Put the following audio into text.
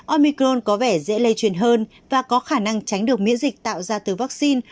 omicron có vẻ dễ lây truyền hơn và có khả năng tránh được miễn dịch tạo ra từ vaccine